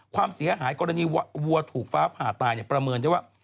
ความเสียหายกรณีวัวถูกฟ้าผ่าตายประเมินได้ว่า